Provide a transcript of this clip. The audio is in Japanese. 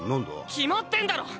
決まってんだろ！